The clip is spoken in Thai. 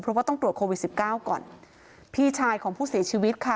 เพราะว่าต้องตรวจโควิดสิบเก้าก่อนพี่ชายของผู้เสียชีวิตค่ะ